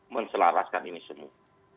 mencelaraskan ini semua